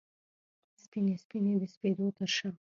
سپینې، سپینې د سپېدو ترشا